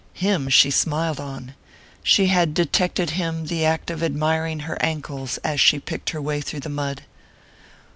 Him she smiled on. She had detected him the act of admiring her ankles as she picked her way through the mud.